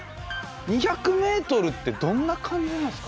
２００ｍってどんな感じなんですか？